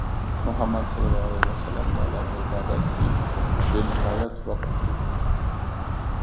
محمد صلى الله عليه وسلم د الله په عبادت کې بې نهایت وقف وو.